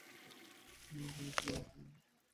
তিনি এখন মিশ্র মার্শাল আর্টসে রূপান্তর করেছেন।